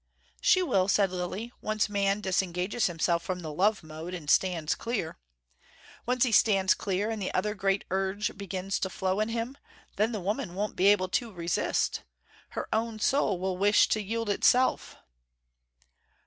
"She will," said Lilly, "once man disengages himself from the love mode, and stands clear. Once he stands clear, and the other great urge begins to flow in him, then the woman won't be able to resist. Her own soul will wish to yield itself."